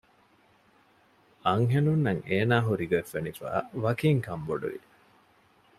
އަންހެނުންނަށް އޭނާ ހުރިގޮތް ފެނިފައި ވަކިން ކަންބޮޑުވި